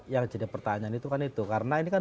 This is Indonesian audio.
yang jadi pertanyaan itu kan itu karena ini kan